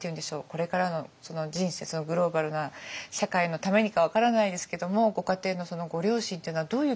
これからの人生グローバルな社会のためにか分からないですけどもご家庭のご両親っていうのはどういう気持ちで？